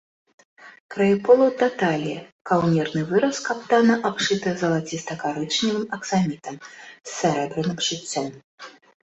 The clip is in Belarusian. Краі полаў да таліі, каўнерны выраз каптана абшыты залацістакарычневым аксамітам з сярэбраным шыццём.